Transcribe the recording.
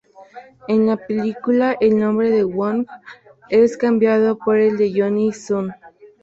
En la película el nombre de Wong es cambiado por el de Johnny Sun.